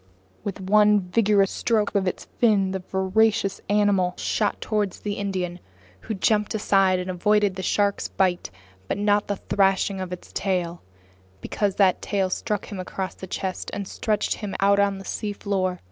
With one vigorous stroke of its fins, the voracious animal shot toward the Indian, who jumped aside and avoided the shark's bite but not the thrashing of its tail, because that tail struck him across the chest and stretched him out on the seafloor.